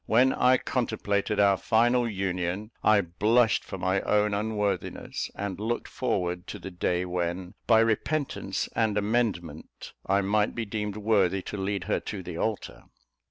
When I contemplated our final union, I blushed for my own unworthiness; and looked forward to the day when, by repentance and amendment, I might be deemed worthy to lead her to the altar.